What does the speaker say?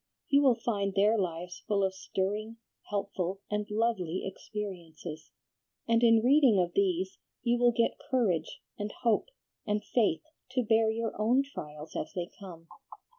You will find their lives full of stirring, helpful, and lovely experiences, and in reading of these you will get courage and hope and faith to bear your own trials as they come.